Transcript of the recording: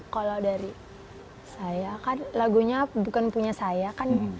kalau dari saya kan lagunya bukan punya saya kan